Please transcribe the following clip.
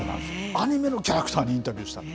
アニメのキャラクターにインタビューした。